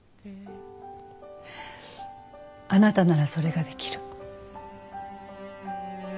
あなたならそれができる。